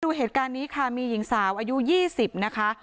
เหตุการณ์นี้ค่ะมีหญิงสาวอายุ๒๐นะคะ